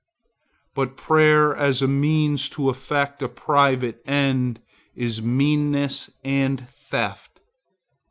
But prayer as a means to effect a private end is meanness and theft.